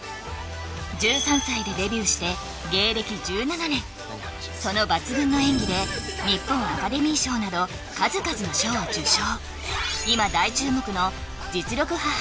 １３歳でデビューして芸歴１７年その抜群の演技で日本アカデミー賞など数々の賞を受賞